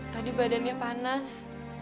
tadi badannya panas